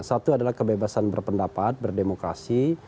satu adalah kebebasan berpendapat berdemokrasi